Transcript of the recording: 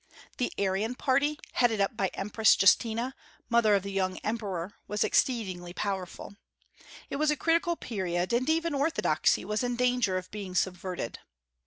The Arian party, headed by the Empress Justina, mother of the young emperor, was exceedingly powerful. It was a critical period, and even orthodoxy was in danger of being subverted.